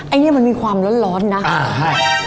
ไอ้เนี้ยมันมีความร้อนร้อนนะอ่าใช่